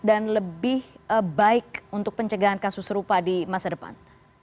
dan lebih baik untuk pencegahan kasus serupa di masa depan